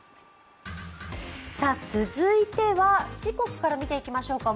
続いては時刻から見ていきましょうか。